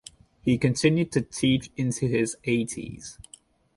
He continued to teach into his eighties.